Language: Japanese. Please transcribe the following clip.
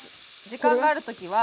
時間がある時は。